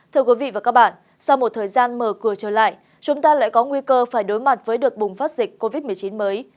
thưa quý vị và các bạn sau một thời gian mở cửa trở lại chúng ta lại có nguy cơ phải đối mặt với đợt bùng phát dịch covid một mươi chín mới